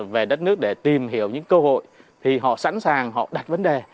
về đất nước để tìm hiểu những cơ hội thì họ sẵn sàng họ đặt vấn đề